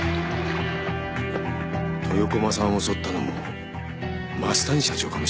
豊駒さんを襲ったのも増谷社長かもしれないな。